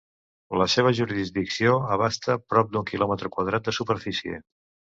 La seva jurisdicció abasta prop d'un quilòmetre quadrat de superfície.